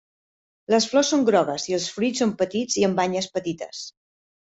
Les flors són grogues i els fruits són petits i amb banyes petites.